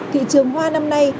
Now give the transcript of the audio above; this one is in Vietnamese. thị trường hoa năm nay